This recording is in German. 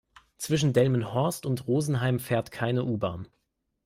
Zwischen Delmenhorst und Rosenheim fährt keine U-Bahn